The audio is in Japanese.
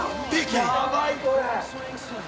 やばいこれ。